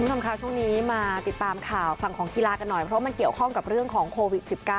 คุณผู้ชมค่ะช่วงนี้มาติดตามข่าวฝั่งของกีฬากันหน่อยเพราะมันเกี่ยวข้องกับเรื่องของโควิด๑๙